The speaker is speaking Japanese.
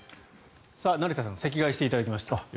成田さん席替えしていただきました。